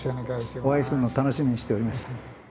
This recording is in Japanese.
お会いするの楽しみにしておりました。